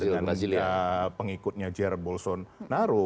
dengan pengikutnya jer bolson naro